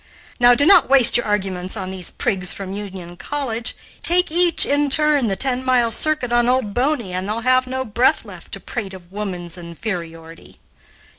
Now do not waste your arguments on these prigs from Union College. Take each, in turn, the ten miles' circuit on 'Old Boney' and they'll have no breath left to prate of woman's inferiority.